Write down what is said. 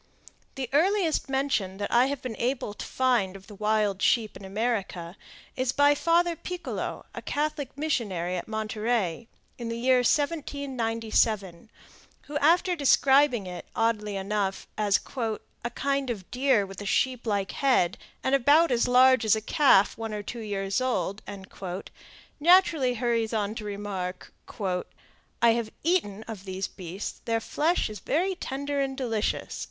The earliest mention that I have been able to find of the wild sheep in America is by Father Picolo, a Catholic missionary at Monterey, in the year 1797, who, after describing it, oddly enough, as "a kind of deer with a sheep like head, and about as large as a calf one or two years old," naturally hurries on to remark: "I have eaten of these beasts; their flesh is very tender and delicious."